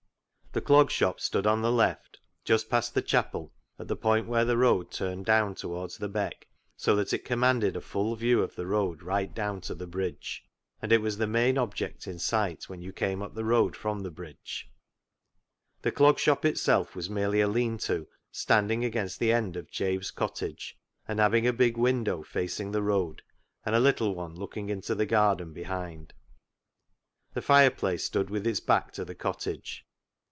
AN ATONEMENT 13 The Clog Shop stood on the left, just past the chapel, at the point where the road turned down towards the Beck, so that it commanded a full view of the road right down to the bridge, and it was the main object in sight when you came up the road from the bridge. The Clog Shop itself was merely a lean to standing against the end of Jabe's cottage, and having a big window facing the road, and a little one looking into the garden behind. The fireplace stood with its back to the cottage.